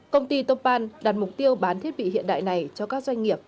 công ty toppan đặt mục tiêu bán thiết bị hiện đại này cho các doanh nghiệp